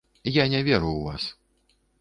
Я не веру ў вас.